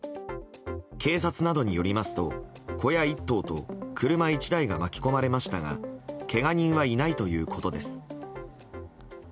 警察などによりますと小屋１棟と車１台が巻き込まれましたがけが人はいないということです。